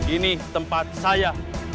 ini tempat saya